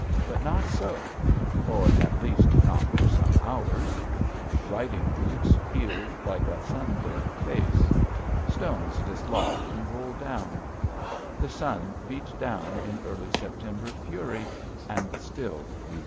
But not so, or, at least, not for some hours. Riding boots peeled like a sunburnt face; stones dislodged and rolled down; the sun beat down in early September fury, and still we went on.